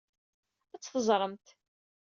Ad t-teẓremt.